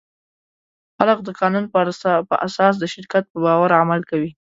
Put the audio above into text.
خلک د قانون پر اساس د شرکت په باور عمل کوي.